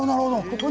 ここ。